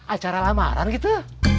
acara lamaran gitu